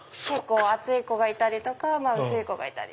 厚い子がいたり薄い子がいたり。